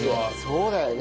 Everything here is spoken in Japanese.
そうだよね。